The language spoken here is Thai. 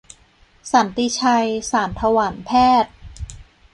สันติชัย สารถวัลย์แพศย์